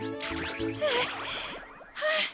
はあはあ。